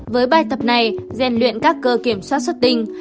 với bài tập này rèn luyện các cơ kiểm soát xuất tinh